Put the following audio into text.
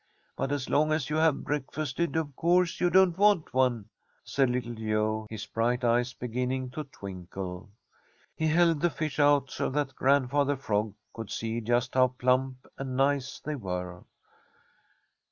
But as long as you have breakfasted, of course you don't want one," said Little Joe, his bright eyes beginning to twinkle. He held the fish out so that Grandfather Frog could see just how plump and nice they were.